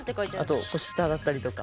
あとこう下だったりとか。